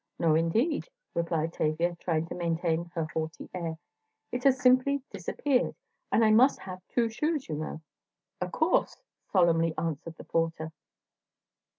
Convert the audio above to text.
"No, indeed," replied Tavia, trying to maintain her haughty air, "it has simply disappeared, and I must have two shoes, you know." "O' course," solemnly answered the porter.